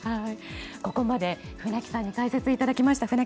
ここまで、船木さんに解説いただきました。